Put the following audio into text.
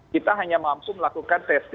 kita hanya masuk melakukan test